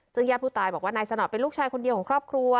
ซึ่งญาติผู้ตายบอกว่านายสนอดเป็นลูกชายคนเดียวของครอบครัว